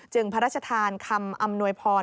พระราชทานคำอำนวยพร